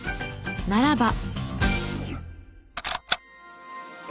ならば。